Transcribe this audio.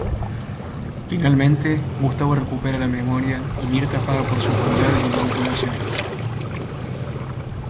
Finalmente, Gustavo recupera la memoria y Mirtha paga por sus maldades y manipulaciones.